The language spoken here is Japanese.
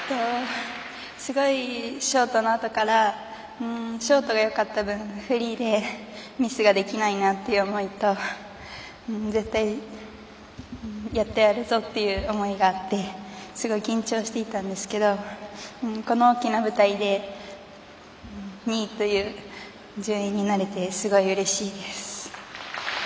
すごいショートのあとからショートがよかったぶんフリーでミスができないなって思いと絶対、やってやるぞっていう思いがあってすごい緊張していたんですけどこの大きな舞台で２位という順位になれてすごいうれしいです。